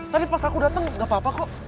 tadi pas aku datang gak apa apa kok